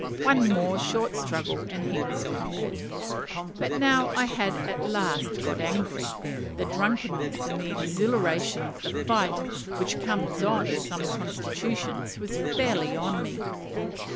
One more short struggle, and he was conquered. But now I had at last got angry: the drunkenness, the exhilaration of fight, which comes on some constitutions, was fairly on me.